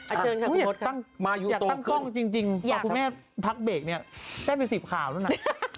อาเชิญค่ะครูธครับมายูโตขึ้นอยากตั้งกล้องจริงตอนครูแม่พักเบรกเนี่ยได้ไปสิบข่าวแล้วนะ